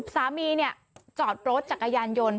สามีจอดรถจักรยานยนต์